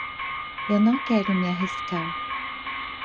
Eu não quero me arriscar.